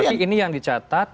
berarti ini yang dicatat